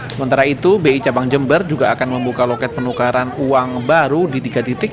sementara itu bi cabang jember juga akan membuka loket penukaran uang baru di tiga titik